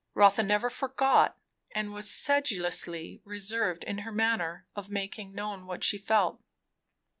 Rotha never forgot, and was sedulously reserved in her manner of making known what she felt.